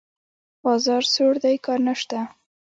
بازار سوړ دی؛ کار نشته.